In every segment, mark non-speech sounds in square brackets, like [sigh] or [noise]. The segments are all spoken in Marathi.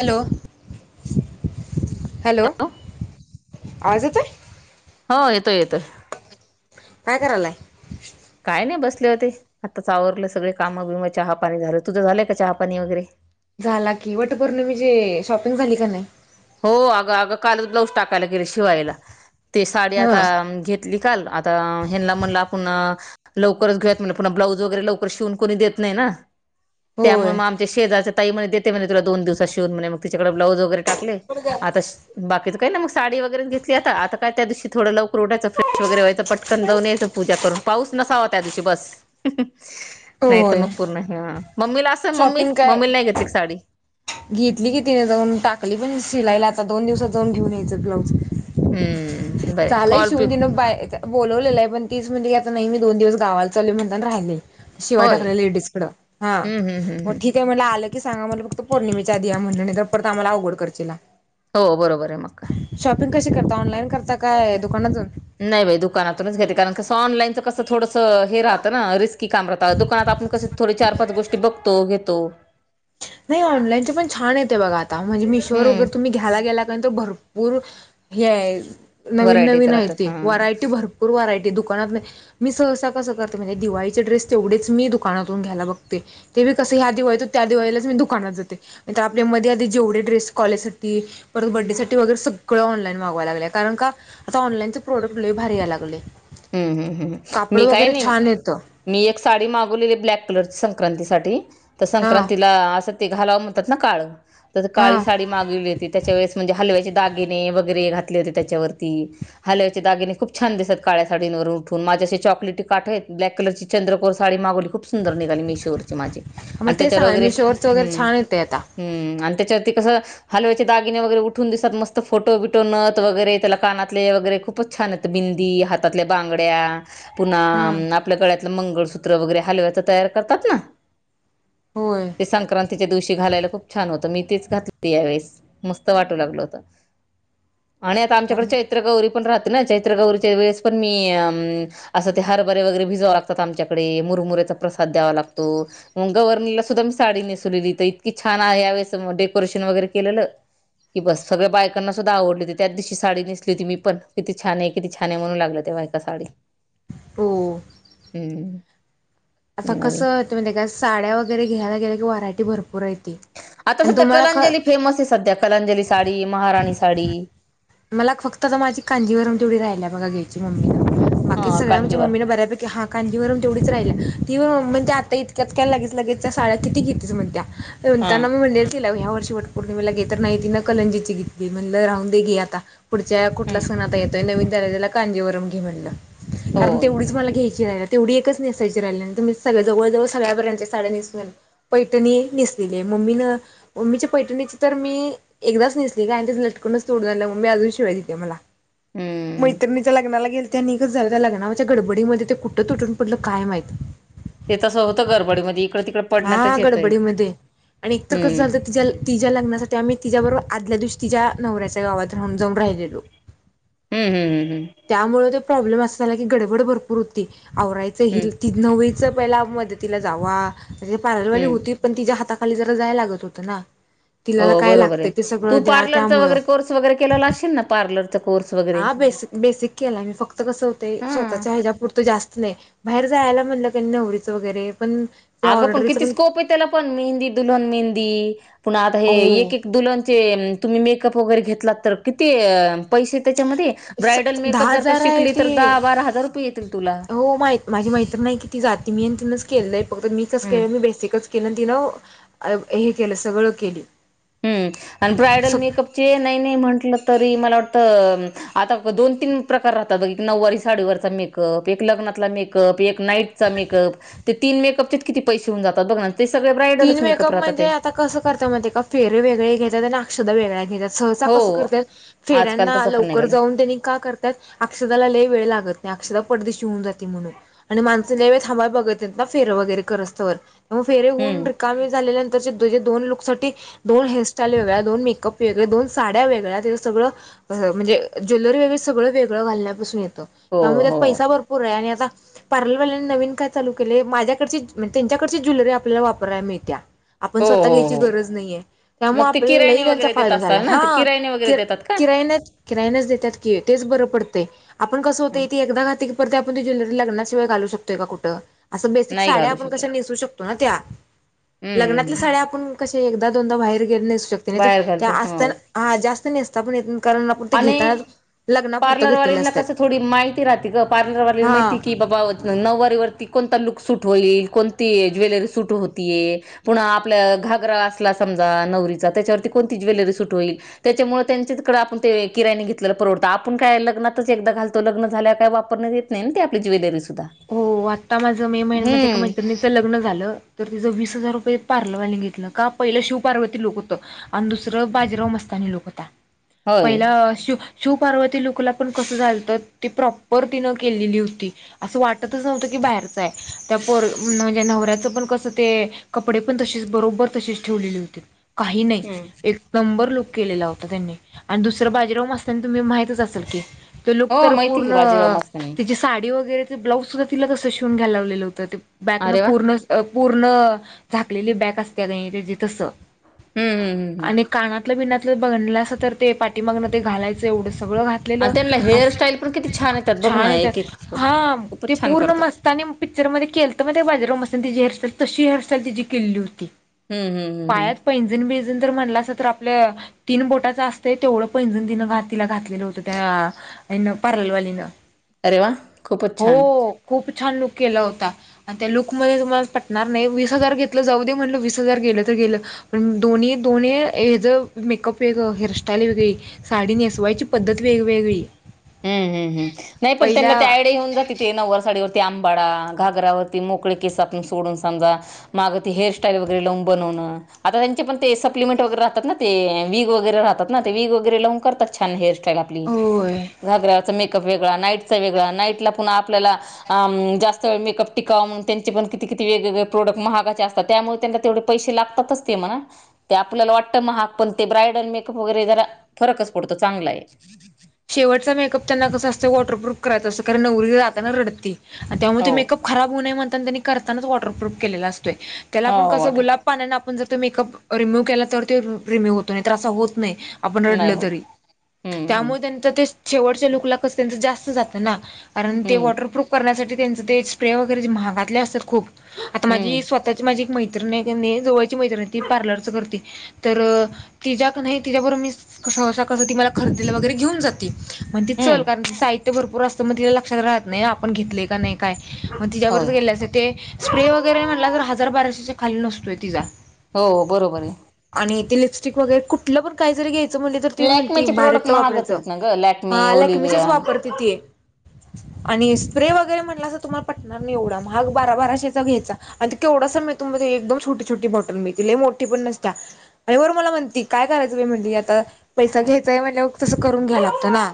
Hello hello. आवाज येतोय? हो येतोय येतोय. काय करायलाय? का नाही बसले होते. आता चावरलं सगळे काम बिम चहा पाणी झालं. तुझं झालंय का चहा पाणी वगैरे झाला की वटपौर्णिमे ची म्हजे शॉपिंग झाली का नाही? हो अग अग कालच ब्लाऊज टाकायला गेले शिवायला. ते साडी हा आता घेतली- ल आता हेना म्हणलं आपण लवकरच घेऊयात म्हणलं पुन्हा ब्लाऊज वगैरे लवकर शिवून कोणी देत नाही ना. त्यामुळे होय मग आमच्या शेजाच्या ता म्हण देत म्हण तुला दोन दिवसात शिवून म्हणे मग तिच्याकडे ब्लाऊज वगैरे टाकले. आता बाकीचं काही ना मग साडी वगैरेच घेतली आता आता काय त्या दिवशी थोडं लवकर उठायच फेश वगैरे व्हायचं. पटकन जाऊनच पूजा करून पाऊस नसावा त्या दिवशी बस. नाही तर होय मग पूर्ण- मम्मीला असं मम्मी शॉपिंग काय मम्मीला नाही घेतली साडी. घेतली की तिने जाऊन टाकली पण शिलायला आता दोन दिवसात जाऊन घेऊन यायचं ब्लाऊज. हम्म बर चालंय फॉल शिवून पिक तिन बाय बोलवलेलं आहे पण- तीच म्हटली आता नाही मी दोन दिवस गावाला चाल म्हणता राहिले. शिवाय होय टाकले लेडीज कडं. हा हम्म हम्म हम्म मग हम्म ठीके आहे म्हट आलं की सांगा म्हट- पौर्णिेच्या आधी द्या म्हटलं नाही तर परत आम्हाला अवघड करचीला. हो बरोबर आहे मग काय. आपण कशी करता ऑनलाईन करता काय दुकानातून नाही बाई दुकानातूनच घेते कारण कस ऑनलाईनचं कस थोडं हे राहतं ना रिस्की काम राहत दुकानात आपण कसे थोडे चार पाच गोष्टी बघतो घेतो नाही ऑनलाईनचे पण छान येते बघात म्हणजे मिशोवर वगैर हम्म तुम्ही घ्यायला गेला का तर भरपूर हे नवीन व्हरायटीच नवीन आहे राहतात ते हा व्हरायटी भरपूर व्हरायटी दुकानात नाही मी सहसा दिवाळी ड्रवी दु लाच मी दुकानात जाते आपल्यामध्ये आध जेवढे ड्रेस कॉलेज सासाठी परत बर््डेसाठीठी वगैरे सग स ऑनलाईन मागवा लाग कारण का आता ऑनलाईनचे प्रोडक्ट भारी याला लागले ह् कापड मी वगैरे काये छान येतं मी एक साडी मागवलेली ब्लॅक कलरची संक्रांती साठी तर हा संक्रांतीला असं ते घालावं म्हणतात ना काळं त हा काळी साडी मागवली होती त्याच्या वळेस म्हणजे हलव्याची दागिने वगैरे घातले होते त्याच्यावरती हलवचे दागिने खूप छान दिसत काळ्या साडींवरून उठून माझ्याशी चॉकलेटी काठ आहेत ब्लॅक कलरची चंद्रकोर साडी मागवली खूप सुंदर निघाली मी शरची माझी मग आणि ते त्याच्यावर सांगाल वगैरे मिशोवरच वगैरे छान येते आता त्याच्यावरती कसं हलव्याचे दगिने वगैरे उठून दिसात मस्त फोटो बिटो नत वगैरे त्याला कानातले वगैरे खूपच छान बिंदी हातातल्या बांगड्या पुन्हा हा आपल्या गळ्या मंगसत्र वरे हल तयार करतात होय संक्रां च्या दिवशी घालायला खूप छान होतं मी तेच घातलं यावेेळेस मस्त वाटू लागल होत आणि आता आमच्याकडे कारण चैत्र गौरी पण राहते ना चैत्रगौरीच्या वेळेस पण मी अ असं ते हरभरे वगैरे भिजाव लागतात आमच्याकडे मुरमुऱ्याचा प्रसाद द्यावा लागतो गव्हर्नीला सुद्धा मी साडी नेसवलेली ताई इतकी छान आहे ह्यावेळेस म डेकोरेशन वगैरे केलेलं कि बस सगळ्या बायकांना सुद्धा आवडली ती त्या दिवशी साडी नेसली होती मी पण किती छान हे किती छान हे म्हणु लागले तेव्हा एका साडी हो हम्म आता नवीन कसं त म्हणजे त्या साड्या वगैरे घ्यायला गेलं की व्हरायटी भरपुर आहेत आता सध्या कलांजली फेमस हे सध्या कलांजली साडी महाराणी साडी मला फक्त तर माझी कांजीवरून तेवढी राहिल्या बघा घ्यायची मम्मी बाकी हा सगळ्या आमच्या कांजीवर मम्मी न बऱ्यापैकी हा कांजीवरम तेवढीच राहिला ती [inaudible] त्या आता इतक्यात काय लगेच लगेच चा साड्या किती घेतेच म्हणत्या त्या हा म्हणताना मी म्हणली ल ह्या वर्षी वट पौर्णिमेला घेत तर नाही तिनं कलंजीची घेतली म्हणलं राहून दे घे आता पुढच्या कुठला हम्म. सण आता येतोय नवीन झालेल्या कांजीवरम घे म्हणलं कारण होय तेवढीच मला घ्याय जे तेवढी एकच नेसायची राहिली नहीं त मी सगळं जवळ जवळ सरव्या व्हऱ्यांचा साड्या नेसून झाल्यात पैठणी नेस ले मम्मी न मम्मी ची पैठणी ची तर मी एकदाच नेसली गं अन् त्याच लटकनच तोड झालं मम्मी अजून शिव्या देते मला हम्म मैत्रणीच्या लग्नाला गेल त्या निघच झालं त्या लग्नाच्या गडबडीमध्ये ते कुठं तुटून पडलं काय माहित ते तसं होतं गरबडमधी हा गडबडी मध्ये आणि एक तर कसं हम्म झालतं तिच्या तिच्या लग्नासाठी आम्ही तिच्याबरोबर आदल्या दिवशी तिच्या नवऱ्याच्या गावात राहून जाऊन राहिलेलो हम्म हम्म हम्म हम्म त्यामुळे तो प्रॉब्लेम असा झाला की गडबड भरपूर होती आवरायचं हम्म हिल ती नवी स पहिला मध्ये तिला जावा जी पार्लरवाली हम्म होती पण तिच्या हाताखाली जरा जाय लागत होत ना तिलाला हो काय बरोबर लागत आहे. ते तू सगळं द्या पार्लरचा त्यामुळं वगैरे कोर्स वगैरे केलेला असशील ना पार्लरचा कोर्स वगैरे हा बेसिक बेसिक केलाय मी फक्त कस होतंय हा. स्वतःच्या ह्याचापुरतं जास नही बाहेर जायला म्हणलं की नवरीचं वगैरे पण त्या अगं पण ऑर्डरीचं किती स्कोप हे त्याला पण मेहंदी दुल्हन मेहंदी पुन्हा आता हे एक हो एक दुल्हन चे तुम्ही मेकअप वगैरे घेतलात तर किती पैसे त्याच्यामध्ये ब्रायडल मेकअप दहा जर का हजार आहे शिकली ते तर दहा बारा हजार रुपये येतील तुला हो माहित माझी मैत्रीण नाही की ती जाते मी आणि तिनच केलंय फक्त मी कस हम्म. केलं मी बेसिकच केन तिन हे केलं सगळं केली हम्म आणि ब्रायडल सग मेकअपचे नाही नाही म्हंटलं तरी मला वाटत आता दोन तीन प्रकार राहतात बघ नऊवारी साडीवरचा मेकअप एक लग्न तला मेकअप एक नाईट च मेकअप ते तीन मेकअप किती पैसे होऊन जातात बघना तीन मेकअप म्हणजे आता कसं करत मग एका फेर वेगळे घेतात आणि अक्षध वेगळ्या घेतात सहसा हो कस करतय आजकाल फेऱ्यांना तसं पण लवकर निघालंय जाऊन त्यांनी का करतायत अक्षदाला लय वेळ लागत नही अक्षदा पडदे शिवून जाते म्हणून आणि माणसं लई वेळ थांबाया बघत हेत ना फेर वगैरे करस तोवर हो फेरे हून हम्म झाल्यानंतर चे तुझे दोन लूक्स साठी दोन हेअरस्टाईल वेगळ्या दोन मेकअप वेगळे दोन साड्या वेगळ्या [inaudible] सगळं म्ह म्हणजे ज्वेलरी वैगरे सगळं वेगळं घालण्या पासुन येतं त हो त्यामुळे त्यात हो पैसा भरपूर आहे आणि आता पार्लरवाल्यानी नवीन काय चालू केलंय माझ्याकडची म त्यांच्याकडची ज्वेलरी आपल्याला वापराय मिळतीया आपण हो स्वतः हो घ्यायची हो गरज नाहीये मग त्यामुळे ते आपल्या लई किरायने त्यांचा वगैरे देत फायदा झाला असाल ना ते हा किरायने वगैरे के के देतात का किरायाने किरायाने च देतात की तेच बरं पडतंय आपण कसं हं. होतंय ती एकदा घाती पडते आपण ती ज्वेलरी लग्नाशिवाय घालु शकते का कुठं असं बेसिक नाही साड्या घालू आपण शकत कसं नेसू शकतो व्हा त्या हम्म लग्नातल्या हम्म साड्या आपण कशे एकदा दोनदा बाहेर गेल नेस शकते नहीतर बाहेर त्या घालत हो असताना हा जास्त नेसता पण येत नही कारण आपण ते घेताना पार्लरवालीनला कसं थोडी माहिती राहते ग पार्लरवालीला माहिती हा. की बबा नऊवारीवरती कोण तालुक सुट होईल कोणती हे ज्वेलरी सुट होतीय पुनः आपल्या घागरा असला समजा नवरी तेच्यावरती कोणती ज्वेलरी सुट होईल त्याच्यामुळे त्यांच्या तिकड आपण ते किरायाणी घेतलेलं परवडंतगझ आपण काय लग्नातच एकदा घालतो लग्न झाल्यावर काय वापरण्यात येत नइ ते आपली ज्वेलरी सुद्धा हो आता माझं मे महिन्यात माझ्या एका हम्म मैत्रिणीचं लग्न झालं तर तिचं वीस हजार रुपये पार र वालि घेतलं का पहिलं शिवपार्वती लुक होत आणि दुसरं बाजीराव मस्तानी लुक हुता होय पहिला शुप शिवप पार्वती लुकला पण कस झालत ती प्रॉपर तिन केलेली हुती असं वाटतच नव्हतं की बाहेरचय त्या पोर न म्हणजे न्हवऱ्याचं पण कसं ते कपडे पण तशी बरोबर तशी ठेवलेली हुती काही नइ एक नंबर लुक केलेला होता त्येनी आणि दुसरं बाजीराव मस्तानी तुम्ही माहितच असाल की तो लुक हो तर माहिती की पूरर्ण बाजीराव मस्तानी तिची साडी वगैरे ते ब्लाउज सुदा तिला तसं शिउन घ्यायल लावलेलं हुतं ते बॅकनं अरे वा पूर्ण पूर्ण अ झाकलेली बॅक असत्या कनी तसं हम्म हम्म हम्म हम्म आणि कानातलं बिनातलं बघटलासा तर ते पाठीमागण ते घालायचं एवढं सगळं घाटलेलं आणि त्यांना असल हेअरस्टाईल पण किती छान येतात बघ छान ना एक येत्यत एक हा ते खूपच छान पूर्ण करतात मस्तनी पिक्चर मध्ये केलत मइतायकाय ते बाजाराव मस्त तिझी हेरस्टाइल तशी हेरस्टाइल तिझी केल्याची हुती हम्म हम्म हम्म हम्म पायात पैजन बिंजन जर म्हणलासा तर आपल्या अ तीन बोटाच असतय तेवढं पैंजण तिनं घात तिला घातलेलं होतं त्याआ तिन पारलवाली न अरे वा खूपच छान! खूप छान लुक केला होता आणि त्या लुकमध्ये तुमाला पटणार नइ वीस हजार घेतलं जाऊ दे म्हटलं वीस हजार गेलं तर गेलं हम दोनी दोनी अ हेजं मेकअप वेगळं हेरस्टाईल वेगळी साडी नेसवायची पद्धत वेगवेगळी हम् हम् हम् नाई पण त्यांना पहिल्या ते आयडिया येऊन जाती ते नउवार साडीवरती आंबाडा घागरावरती मोकळे केस आपण सोडून समजा माग ते हेरस्टाईल ते लाउन बनवन आता तेंचे पण ते सप्लिमेंट वैगेरे राहतात ना ते विग वैगेरे राहतात ना ते विग वेगेरे लावुन करतात छान हेरस्टाईल आपली होय चा मेकप वेगळा नाईट चा वेगळा नाईटला पुन्हा आपल्याला अम जास्त वेळ मेकअप टिकावा म्हनुन त्यांचे प किती कीती वेगवेगळे प्रोडक महागाचे असतात त्यामुळ तेना तेवडे पैशे लागतातच ते म्हणा महाग पण ते ब्रायडल मेकअप वगैरे जरा अ फरकच पडतो चांगलाय शेवटचा मेकअप तेना कसअसतय वॉटरप्रुफ करायचं असंतोय कारण नवरी जताना रडती त्यामुळ हो त्यो मेकअप खराब हुनये म्हणताना त्येनी करतानाच वॉटरप्रूफ केलेला असतो त्येला हो आपण कसं वॉटर गुलाब पाण्यान आपण जर त्यो मेकअप रिम्यू्ह केला तर रिम्यू होतोय नइ तर असा होत नइ आपण नाही रडलं होत तरी हम्म हम्म त्यामुळ त्येनी तेच कस जास्त जात ना हम्म तेंच ते स्प्रे वगैरेे ते महागातले असत्यात खूप आता हम्म माजी स्वताची माजी एक मैत हाय कनी जवळची मैत्रिणाय ती पार्लरच करती तर तिज्या कनाय तिच्याबरो मी सहसा कसं ती मला खरेदीला वगैरे घेऊन जात्या म्हणती चल हम्म कारण त साहित्य भरपूर असतं मग तिला लक्षात राहत नाई ना आपण घेतलेय का नइ काय मग तिच्याबरच होय गेलेल असतय ते स्प्रे वगैरे म्हटला तर हजार बाराशे च्या खाली नसतोय तिजा हो बरोबर हे आणि ते लिपस्टिक वगैरे कुटलं पण काई जरी घ्यायचं म्हटलं तर ती म्हणती लॅकमेचे प्रोडक्ट भारीतला वापरत महागत जा आहेत ना ग लॅकमे हा लॅकमीचीच ओलिविया वापरते ती आणि स्प्रे वगैरे म्हटलासा तुमाला पटणार नई एवडा महाग बारा बाराशेचा घ्यायचा आण केवड डस मिळतो मइताय एकदम छुटी छुटी बॉटल मिळती लई मोटी पण नसत्या वर मला म्णती काय करायचं बई म्हणती आता पैसा घ्यायचाय म्हणल्याव तसं करून घ्यालाला ना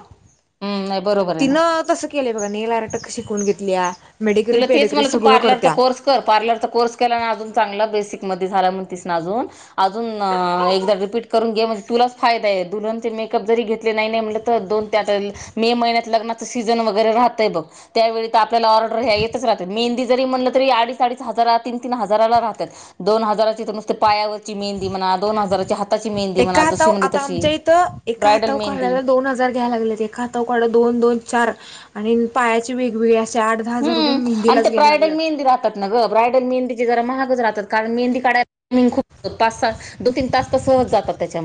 हम्म नाही बरोबर आहे ना तिनं तसं केलंय बगा नेल आरटक शिकुन घेतल्या मेडिग्री तुला तेच पेडिग्री म्हणला तू सगळं पार्लरचा करत्या कोर्स कर पारलरचा कोर्स केला ना अजून चांगला बेसिक सिक मदे झालाय म्हणतिस ना अजून अ एकदा रिपीट करून घणे म्हण्जे तुलाच फायदाय दुलहनचे मेकअप जरी घेतले नाई नाई म्हटलं तर दोन त्या तरी मे मईन्यात लग्नाच सीझन राहतंय बघ त्यावेळी तर आपल्या पोराला ेतच राह मेहंदी जरी म्हणलं तरी अडीच अडीच हजार तीन तीन हजाराला राहतात दोन हजारा पायावरची मेंदी म्हणा दोन हजारच्या ह एका हातावर आता आमच्या इथं एका ब्रायडल हातावर मेहंदी काढयला दोन हजार घ्यायला लागलेत एका हातावर काढ दोन दोन द चार आणि पायाची वेगवेगळे अस हम्म आणि ते ब्रायडल मेहंदी राहतात ना ग ब्रायडल मेहंदी जरा महागच राहतात कारण मेंदी काढाला खूप पाच सात दोन तीन तास तर सहज जात त्या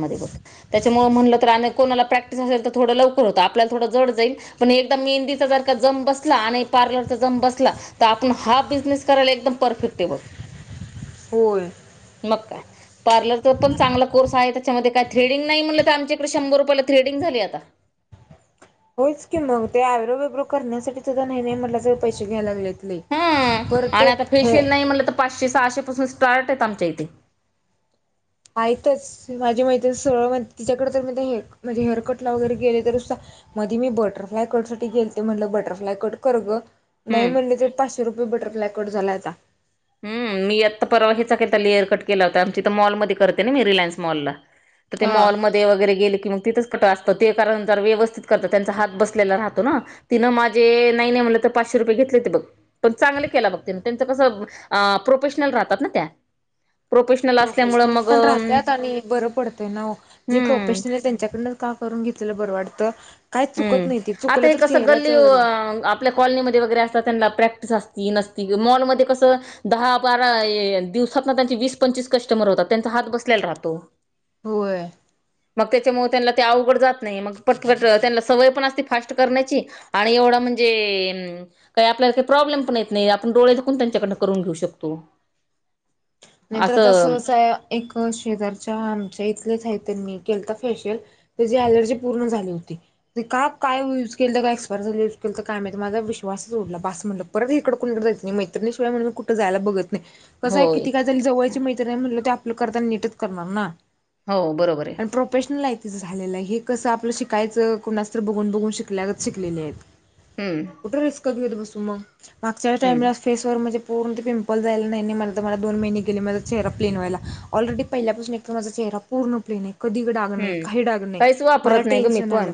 त्याच्यामुळे म्ह तर प्रॅक्टिस असेल तर थोड लवकर होत आपल्याला ड ज जाईल पण मेहंदीचा जारख जम बसला आणि पार्लर ज बला तर आप हा बिझनेस करायला एकदम परफेक्ट होय मग काय पार्लरचा पण चांगला कोर्स आहे त्याच्यामध्ये काय थ्रेडिंग नाही म्हणलं तर आमच्याकडे शंभर रुपयाला थ्रेडिंग झाली आता होयच की मग ते आयब्रो बेब्रो करण्यासाठी सुद्धा नाही नाही म्हटलं तर पैसे घ्यायला लागलेत लई. हम परत ते आणि आता हे फेशियल नाही म्हणलं तर पाचशे सहाशेपासून स्टार्ट येत आमच्या इथे आहेतच माझी मैत्री सरळण तिच्याकडे तर म हे म्हणजे हेअर कटला वगैरे गेले तर मध्ये मी बटरफ्लाय कट साठी गेल ते म्हणटलं बटरफ्लाय कट कर ग नाही हम्म म्हणले ते पाचशे रुपये बटरफ्लाय कट झाला आता हम् मी आत्ता परवा हचाता लिअरकट केला होता आमची तर मॉलमध्येध्ये करते ना मी रिलायन्स मॉलला तर ते हा. मॉलमध्ये वगैरे गेले की मग तिथं असतो कारण ते जरा व्यवस्थित करतात त्यांचा हात बसलेला राहतो ना तिने माझे नाही म्हणलं तर पाचशे चशे रुपये घेतले होते बघ. पण चांगलं केलं त्यांचं कसं प्रोफेशनल राहतात ना त्या प्रोफेशनल असल्यामुळं प्रोफेशनल मग पण राहतत आणि बरं पडतय ना जे हम्म प्रोफेशनल आहे त्यांच्याकडून का करून घेत जरा बरं वाटतं. काय चुकत हम्म नाही ते आता चुकलं हे तर कस चेहऱ्याच गल्ली वगैरे आपल्या कॉलनीमध्ये वगैरे असतात त्यांना प्रॅक् असती नसतीग मॉल म कस दहा बारा दिवसात ना त्यांचे वीस पंचवीस कस्टमर होतात त्यांचा हात बसल्याला राहतो होय मग त्याच्यामुळे त्यांना ते अवघड जात नाही मग पट पट त्यां सवय पण असते फास्ट करण्याची आणि एवढा म्हणजे काय आपल्याला प्रॉब्लेम पण येत नाही. डोळे झाकून त्यांच्याकड करून घेऊ शकतो. ह नाहीतर आता असं सहसा एक शेजारच्या आमच्या इथलेच आहे तर मी. केलता फेशियल त्याची एलर्जी पूर्ण झाली होती का काय युज के काय एक्सयर झा काय माझ विश्वास ऊडला बस म्हटलं परत इकड क को जायच नाही मैतिय म्हण मी कुठ जायला बघ कसं आहे होय किती काय झाली जवळयची मैत्र नाही म्हटलं ते आपलं करताना नीटच करणार ना हो बरोबर आहे आणि प्रोफेशनल आहे तिच. झालेलं हे कसं आपलं शिकायच कोणाच बघून. बघून शिकल्या गत शिकलेले आहेत हम्म कुठ रिस्क घेऊत बसू मग मागच्या हम्म टाईमला फेसवर म्हणजे पूर्ण पिंपलसल जायला नाही मलात मला दोन महिने गेले माझ चेहरा प्लेन व्हायला ऑलरेडी पहिल्यापासून एक तर माझा चेहरा पूण प्लेन आहे. कधी डाग नाही हम्म काही डाग नाही काहीच मला वापरत नाही ग मी टेन्शन पण आलं.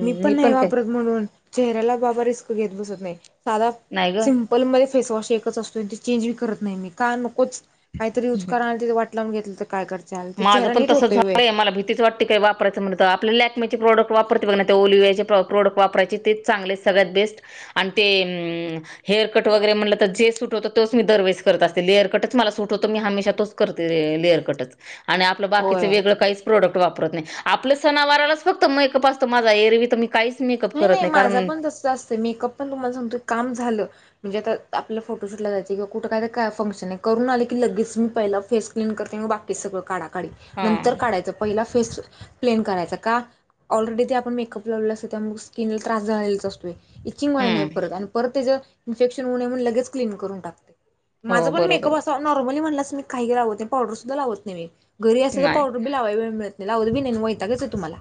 मी पण नाही वापरत, म्हणून. चेहऱ्याला बाबा रिस्क घेत बसत नाही साधा नाही ग सिम्पलमध्येध फेसवॉश एकच असतो तो चेंज पण करत नाही का नकोच काहीतरी यूज करा वाट लावून घेतली तर काय करता. माझं पण तस झालंय मला भीतीच वाटते काय वापरायचं म्हण आपल्या प्रोडक्ट वापरते बघ ओलीवा प्रोडक्ट वापरायचे तेच चगले सगळ्यात बेस्ट आणि ते हेअरकट वगैरे म्हटलं तर जे सुट होतं तेच मी दरवेस करत असतील लेअरकटच मला सुट होतअसतो मी हेा तो लेअर कटच आणि आपलं बाकीचं होय वेगळं काहीच प्रोडक्ट वापरत नाही आपलं सणावारालाच फक्त मेकअप असतो माझा एरवी तमी नाही नाही माझा पण तस असत मेकअप पण तुम्हाला सांगतोय काम झालं म्हणजे आता आपल्या फोटोशूटला जायचे किंवा कुठ काय फंक्शन आहे करून आलं की लगेच मी पहिला फेस क्लीन करते बाकी सगळं काढा हा नंतर करायचा पहिला फेस प्लेन कराय का ऑलरेडी आपण मेकअप लाव त्या स्किनला त्रास झायच असतोय इचिंगय नाही हम्म परत आणि परत त्याच्या इन्फेक्शन होऊ नये म्हणून लगेच क्लीन करून टाकते माझं हो पण बरोबर मेकअप असा नॉर्मली म्हणलास मी काही घरी लावत नाही पावडर सुद्ध लावत नाही मी घरी आहे असलं तर नाही पावडर बी लावा वेळ नाही लावत बि नाही वहिता कायच तुम्हाला